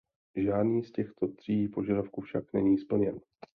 Žádný z těchto tří požadavků však není splněn.